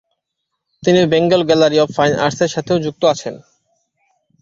তিনি Bengal gallery of fine আর্টসের সাথেও যুক্ত আছেন।